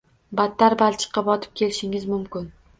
Battar balchiqqa botib ketishingiz mumkin.